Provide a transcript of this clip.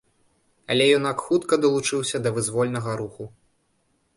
Але юнак хутка далучыўся да вызвольнага руху.